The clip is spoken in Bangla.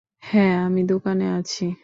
হ্যাঁ, আমি দোকানে আছি।